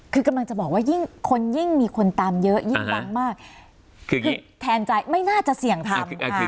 คือกำลังจะบอกว่ายิ่งคนยิ่งมีคนตามเยอะยิ่งดังมากคือแทนใจไม่น่าจะเสี่ยงทำ